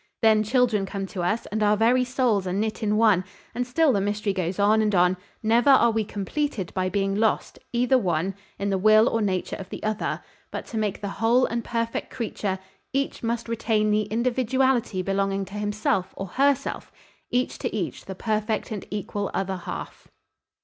Then children come to us, and our very souls are knit in one, and still the mystery goes on and on; never are we completed by being lost either one in the will or nature of the other; but to make the whole and perfect creature, each must retain the individuality belonging to himself or herself, each to each the perfect and equal other half."